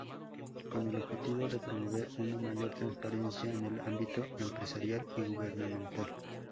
Con el objetivo de promover una mayor transparencia en el ámbito empresarial y gubernamental.